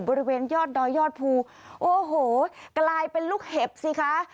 บริเวณยอดดอยยอดภูโอ้โหกลายเป็นลูกเห็บสิคะ